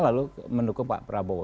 lalu mendukung pak prabowo